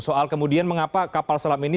soal kemudian mengapa kapal selam ini